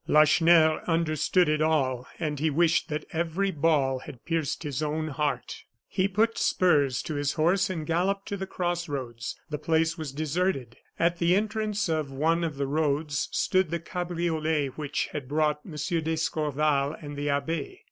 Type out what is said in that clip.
Lacheneur understood it all; and he wished that every ball had pierced his own heart. He put spurs to his horse and galloped to the crossroads. The place was deserted. At the entrance of one of the roads stood the cabriolet which had brought M. d'Escorval and the abbe.